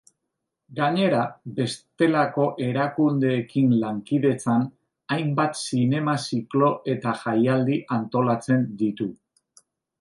Gainera, bestelako erakundeekin lankidetzan, hainbat zinema-ziklo eta jaialdi antolatzen ditu.